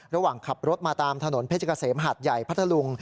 ระหว่างขับรถมาตามถนนเพชรเกษมหาดใหญ่พัทธลุง